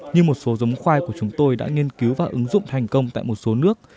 như một số giống khoai của chúng tôi đã nghiên cứu và ứng dụng thành công tại một số nước